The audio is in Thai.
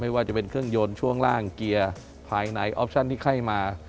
ว่าจะเป็นเครื่องยนต์ช่วงล่างเกียร์ภายในออปชั่นที่ไข้มา